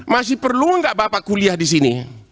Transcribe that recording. masih perlu gak bapak kuliah disini